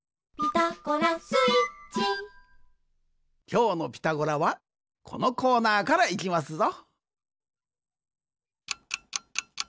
きょうの「ピタゴラ」はこのコーナーからいきますぞ。